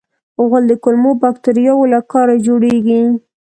غول د کولمو باکتریاوو له کاره جوړېږي.